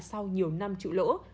sau nhiều năm chịu lỗ